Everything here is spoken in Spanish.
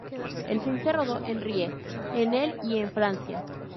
El film se rodó en Rye, en el y en Francia.